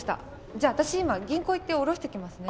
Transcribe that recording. じゃあ私今銀行行って下ろしてきますね。